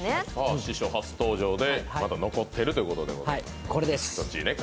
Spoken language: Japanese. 師匠、初登場でまだ残っているということでございます。